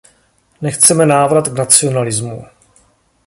Nechceme návrat k nacionalismu.